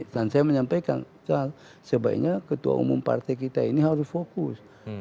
dan saya menyampaikan soal sebaiknya ketua umum partai kita ini harus fokus